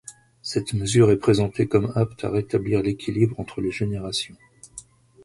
Cette mesure est présentée comme apte à rétablir l'équilibre entre les générations.